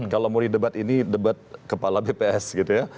kalau mau di debat ini debat kepala bps gitu ya